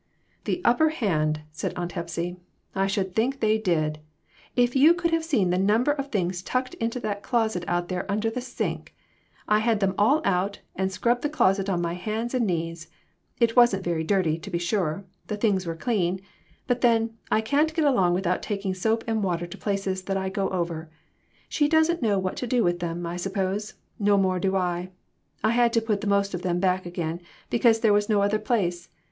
"The upper hand!" said Aunt Hepsy ; "I should think they did ! If you could have seen the number of things tucked into that closet out there under the sink ! I've had them all out, and scrubbed the closet on my hands and knees. It wasn't very dirty, to be sure the things were clean ; but then, I can't get along without taking soap and water to places that I go over. She didn't know what to do with them, I suppose ; no more do I. I had to put the most of them back again, because there was no other place.